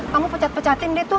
kamu pecat pecatin deh tuh